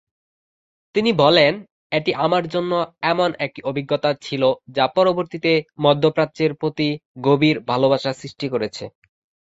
তিনি বলেন, এটি আমার জন্য এমন একটি অভিজ্ঞতা ছিল যা পরবর্তীতে মধ্য প্রাচ্যের প্রতি গভীর ভালবাসা সৃষ্টি করেছে।